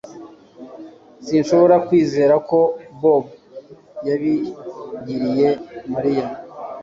Sinshobora kwizera ko Bobo yabigiriye Mariya